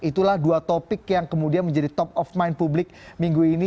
itulah dua topik yang kemudian menjadi top of mind publik minggu ini